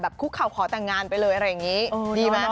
คุกเข่าขอแต่งงานไปเลยอะไรอย่างนี้ดีไหม